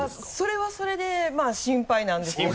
それはそれでまぁ心配なんですけど。